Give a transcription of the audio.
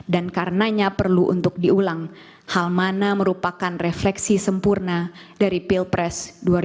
karenanya perlu untuk diulang hal mana merupakan refleksi sempurna dari pilpres dua ribu sembilan belas